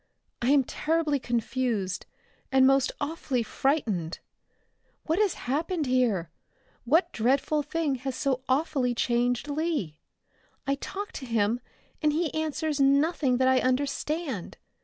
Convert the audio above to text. "I am terribly confused, and most awfully frightened. What has happened here? What dreadful thing has so awfully changed Lee? I talk to him and he answers nothing that I understand.